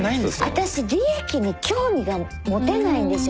私利益に興味が持てないんですよ。